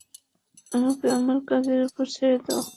আমাকে আমার কাজের উপর ছেড়ে দাও।